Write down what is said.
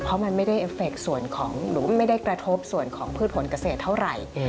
เพราะมันไม่ได้กระทบส่วนของพืชผลเกษตรเท่าไหร่